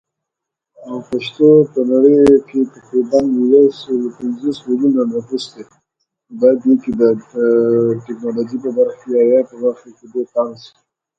The most notable nearby feature is Mons Vinogradov to the west-southwest.